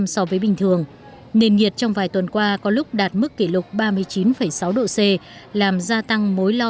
so với bình thường nền nhiệt trong vài tuần qua có lúc đạt mức kỷ lục ba mươi chín sáu độ c làm gia tăng mối lo